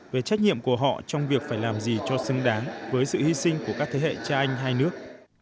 về trách nhiệm của họ trong việc phải làm gì cho xứng đáng với sự hy sinh của các thế hệ cha anh hai nước